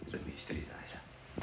demi istri saya